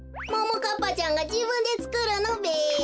ももかっぱちゃんがじぶんでつくるのべ？